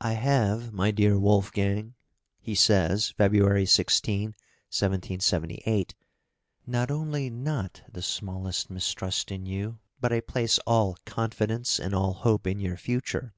"I have, my dear Wolfgang," he says (February 16, 1778), "not only not the smallest mistrust in you, but I place all confidence and all hope in your future.